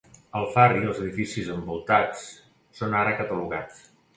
El far i els edificis envoltats són ara catalogats.